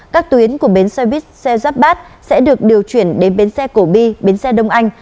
các tuyến của bến xe buýt xe giáp bát sẽ được điều chuyển đến bến xe cổ bi bến xe đông anh